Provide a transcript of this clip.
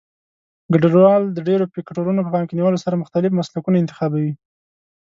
ګډونوال د ډېرو فکټورونو په پام کې نیولو سره مختلف مسلکونه انتخابوي.